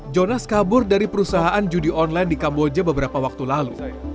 jonas kabur dari perusahaan judi online di kamboja beberapa waktu lalu